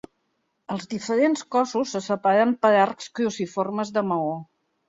Els diferents cossos se separen per arcs cruciformes de maó.